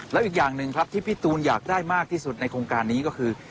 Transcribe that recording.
แล้วอีกอย่างหนึ่งครับที่พี่ตูนอยากได้มากที่สุดในโครงการนี้ก็คือ